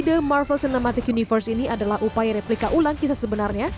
ide marvel cinematic universe ini adalah upaya replika ulang kisah sebenarnya